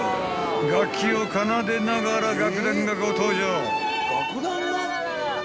楽器を奏でながら楽団がご登場］